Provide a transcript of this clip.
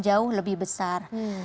jauh lebih besar